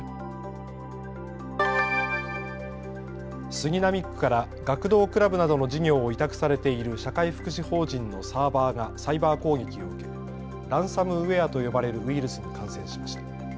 杉並区から学童クラブなどの事業を委託されている社会福祉法人のサーバーがサイバー攻撃を受けランサムウェアと呼ばれるウイルスに感染しました。